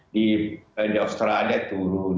di australia turun